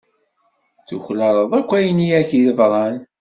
Tuklaleḍ akk ayen i ak-yeḍran.